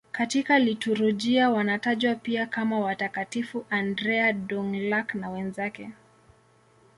Katika liturujia wanatajwa pia kama Watakatifu Andrea Dũng-Lạc na wenzake.